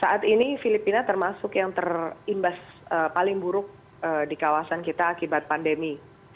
saat ini filipina termasuk yang terimbas paling buruk di kawasan kita akibat pandemi